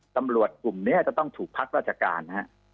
ตำรวจกลุ่มนี้จะต้องถูกพักราชการนะฮะ